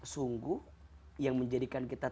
sungguh yang menjadikan kita